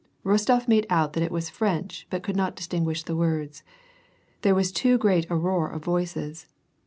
Eostof made out that it was French, but could not distinguish the words. There was too great a roar of voices.